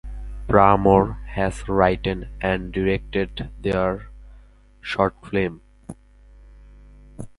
Parramore has written and directed three short films.